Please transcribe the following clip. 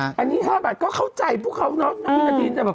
อันนี้๕บาทก็เข้าใจพวกเขาน้องพิจารณี